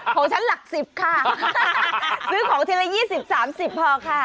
ของฉันหลัก๑๐ค่ะซื้อของทีละ๒๐๓๐พอค่ะ